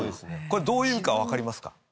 これどういう意味かわかりますか？